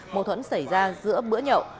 mâu thuẫn xảy ra giữa bữa nhậu